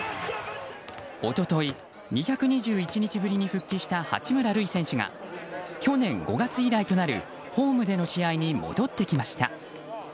一昨日２２１日ぶりに復帰した八村塁選手が去年５月以来となるホームでの試合に戻ってきました。